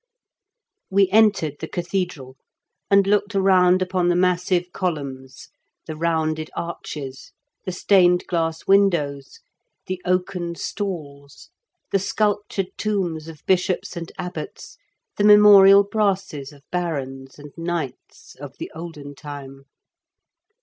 We entered the cathedral, and looked around upon the massive columns, the rounded arches, the stained glass windows, the oaken stalls, the sculptured tombs of bishops and abbots, the memorial brasses of barons and knights, of the olden time.